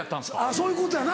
そういうことやな。